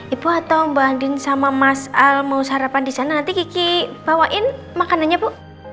ibu atau mbak andin sama mas al mau sarapan di sana nanti kiki bawain makanannya bu